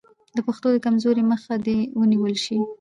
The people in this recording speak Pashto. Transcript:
د پښتو د کمزورۍ مخه دې ونیول شي.